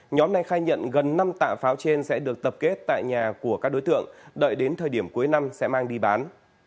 nhóm này khai nhận gần năm tạ pháo trên sẽ được tập kết tại nhà của các đối tượng đợi đến thời điểm cuối năm sẽ mang đi bán